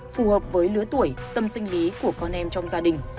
phù hợp với lứa tuổi tâm sinh lý của con em trong gia đình